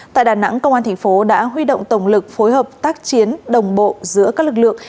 tại đà nẵng công an thành phố đã huy động tổng lực phối hợp tác chiến đồng bộ giữa các lực lượng